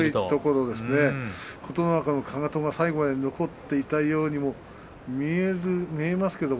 琴ノ若のかかとが最後まで残っていたようにも見えますけど。